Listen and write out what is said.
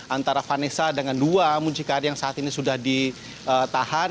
antara vanessa dengan dua muncikari yang saat ini sudah ditahan